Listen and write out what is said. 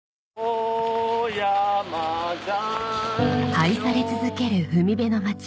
愛され続ける海辺の町